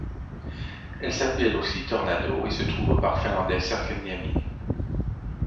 Elle s'appelle aussi Tornado et se trouve au parc finlandais Särkänniemi.